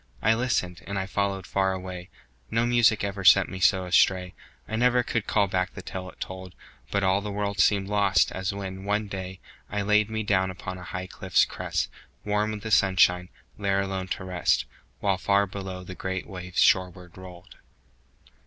I listened, and I followed far away No music ever sent me so astray, I never could call back the tale it told, But all the world seemed lost, as when, one day, I laid me down upon a high cliff's crest, Warm with the sunshine, there alone to rest, While far below the great waves shoreward rolled.